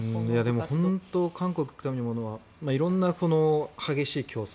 でも、本当に韓国に行く度に思うのは色んな激しい競争。